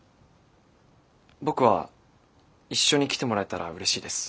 僕は一緒に来てもらえたらうれしいです。